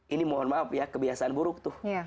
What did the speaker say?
ini mohon maaf ya kebiasaan buruk tuh